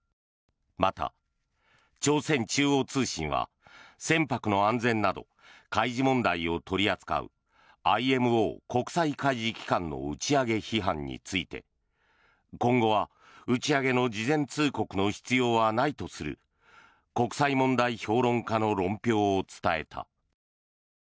また、朝鮮中央通信は船舶の安全など海事問題を取り扱うＩＭＯ・国際海事機関の打ち上げ批判について今後は打ち上げの事前通告の必要はないとする国際問題評論家の論評を伝えた。